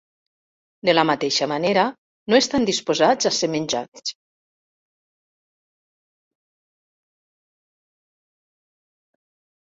De la mateixa manera, no estan disposats a ser menjats.